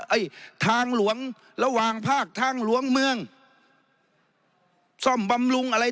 ไอ้ทางหลวงระหว่างภาคทางหลวงเมืองซ่อมบำรุงอะไร